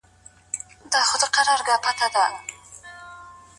هیڅوک حق نه لري چي د بل چا خبره بنده کړي.